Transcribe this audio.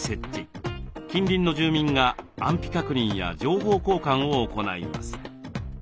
近隣の住民が安否確認や情報交換を行います。